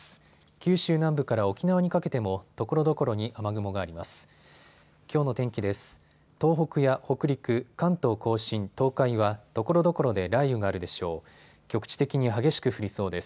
九州南部から沖縄にかけてもところどころに雨雲があります。